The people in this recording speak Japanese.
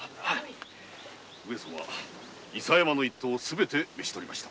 上様伊佐山の一党すべて討ち取りました。